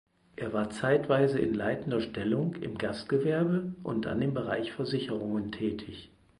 Er war zeitweise in leitender Stellung im Gastgewerbe und dann im Bereich Versicherungen tätig.